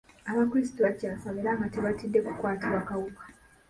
Abakulisitu bakyasaba era nga tebatidde kukwatibwa kawuka.